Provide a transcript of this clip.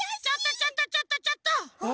ちょっとちょっとちょっと！